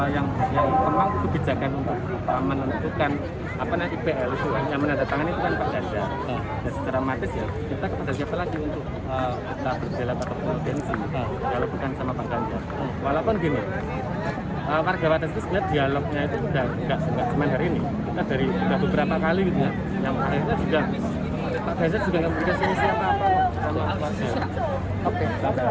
yang diharapkan warga solusinya